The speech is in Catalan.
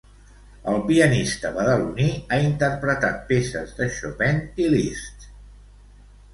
El pianista badaloní ha interpretat peces de Chopin i Liszt.